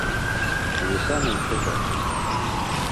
Вы самі ўсё бачылі.